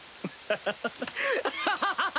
ハハハハ！